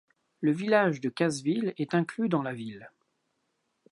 Le village de Cassville est inclus dans la ville.